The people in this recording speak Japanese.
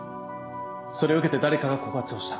それを受けて誰かが告発をした。